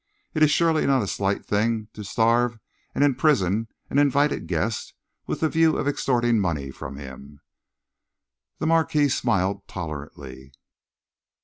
It is surely not a slight thing to starve and imprison an invited guest with the view of extorting money from him." The Marquis smiled tolerantly.